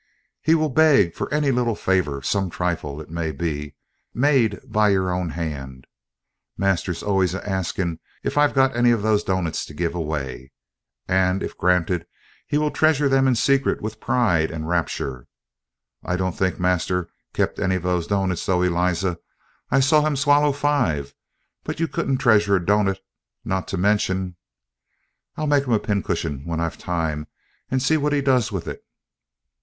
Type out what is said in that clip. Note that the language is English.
'he will beg for any little favours, some trifle, it may be, made by your own hand' (master's always a asking if I've got any of those doughnuts to give away); 'and, if granted, he will treasure them in secret with pride and rapture' (I don't think master kep' any of them doughnuts though, Eliza. I saw him swaller five; but you couldn't treasure a doughnut, not to mention I'll make him a pincushion when I've time, and see what he does with it).